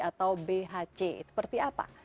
atau bhc seperti apa